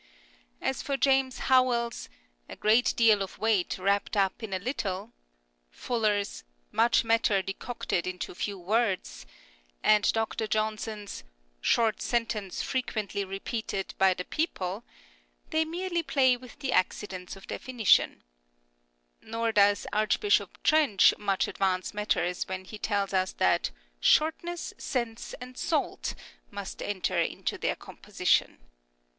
As for James 256 CURIOSITIES OF PROVERBS 257 Howell's " A great deal of weight wrapt up in a little," Fuller's " Much matter decocted into few words," and Dr. Johnson's " Short sentence frequently repeated by the people," they merely play with the accidents of definition. Nor does Archbishop Trench much advance matters when he tells us that " Shortness, sense and salt " must enter into their composition.